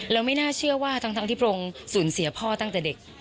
แล้วไม่น่าเชื่อว่าทั้งที่พระองค์สูญเสียพ่อตั้งแต่เด็ก